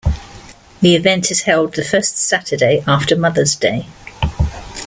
The event is held the first Saturday after Mother's Day.